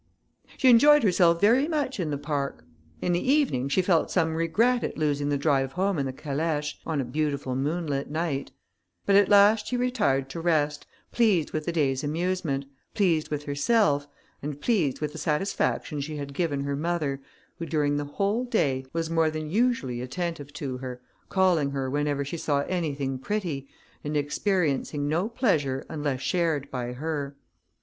She enjoyed herself very much in the park. In the evening, she felt some regret at losing the drive home in the calèche, on a beautiful moonlight night; but at last she retired to rest, pleased with the day's amusement, pleased with herself, and pleased with the satisfaction she had given her mother, who, during the whole day, was more than usually attentive to her, calling her whenever she saw anything pretty, and experiencing no pleasure unless shared by her.